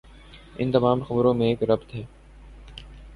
ان تمام خبروں میں ایک ربط ہے۔